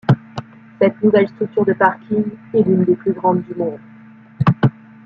Cette nouvelle structure de parking est l'une des plus grandes du monde.